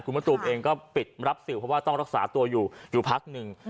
คุณมะตูมเองก็ปิดรับสื่อเพราะว่าต้องรักษาตัวอยู่อยู่พักหนึ่ง